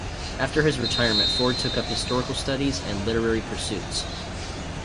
After his retirement, Ford took up historical studies and literary pursuits.